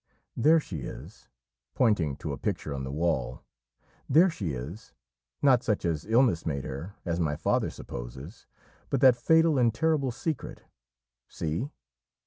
There she is," pointing to a picture on the wall "there she is! not such as illness made her as my father supposes, but that fatal and terrible secret. See!"